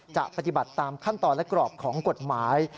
ปฏิบัติตามขั้นตอนและกรอบของกฎหมาย